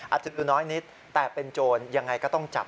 ดูน้อยนิดแต่เป็นโจรยังไงก็ต้องจับ